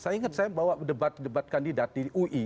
saya ingat saya bawa debat debat kandidat di ui dua ribu empat belas